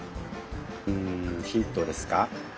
うんヒントですか。